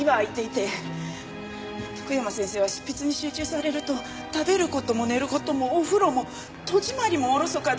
福山先生は執筆に集中されると食べる事も寝る事もお風呂も戸締まりもおろそかで。